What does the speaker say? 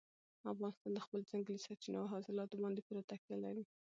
افغانستان د خپلو ځنګلي سرچینو او حاصلاتو باندې پوره تکیه لري.